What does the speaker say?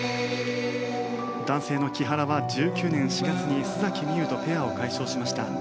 男性の木原は１９年４月に須海羽とペアを解消しました。